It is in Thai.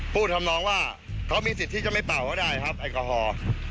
ทำนองว่าเขามีสิทธิ์ที่จะไม่เป่าก็ได้ครับแอลกอฮอล์